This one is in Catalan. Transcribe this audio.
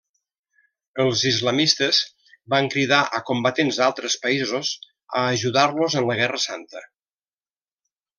Els islamistes van cridar a combatents d'altres països a ajudar-los en la guerra santa.